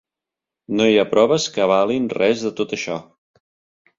No hi ha proves que avalin res de tot això.